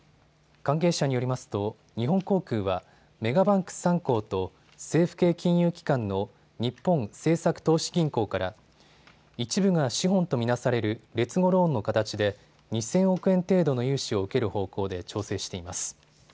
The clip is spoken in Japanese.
関係者によりますと、日本航空はメガバンク３行と政府系金融機関の日本政策投資銀行から一部が資本と見なされる劣後ローンの形で２０００億円程度の融資を受ける方向で調整しています。